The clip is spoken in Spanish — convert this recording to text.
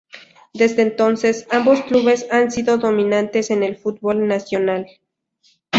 Desde entonces, ambos clubes han sido dominantes en el fútbol nacional.